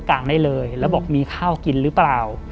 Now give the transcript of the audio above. กลางได้เลยแล้วบอกมีข้าวกินหรือเปล่า